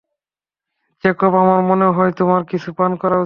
Jacob আমার মনে হয় তোমার কিছু পান করা উচিত।